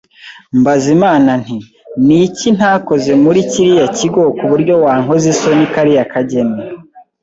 mbaza Imana nti ni iki ntakoze muri kiriya kigo ku buryo wankoza isoni kariya kageni,